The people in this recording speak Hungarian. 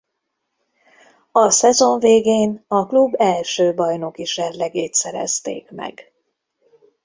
A szezon végén a klub első bajnoki serlegét szerezték meg.